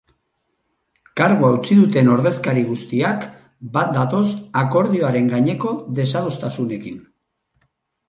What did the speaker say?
Kargua utzi duten ordezkari guztiak bat datoz akordioaren gaineko desadostasunekin.